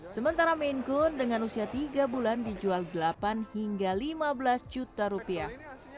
sementara main gone dengan usia tiga bulan dijual delapan hingga lima belas juta rupiah